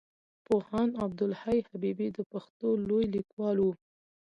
پوهاند عبدالحی حبيبي د پښتو لوی ليکوال وو.